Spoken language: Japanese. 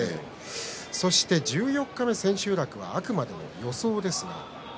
そして十四日目、千秋楽はあくまでも予想です。